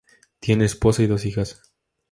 Tiene esposa y dos hijas.